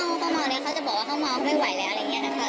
เขาเมาเนี่ยเขาจะบอกว่าเขาเมาไม่ไหวแล้วอะไรอย่างนี้นะคะ